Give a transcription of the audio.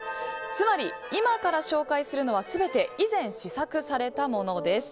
つまり、今から紹介するのは全て、以前試作されたものです。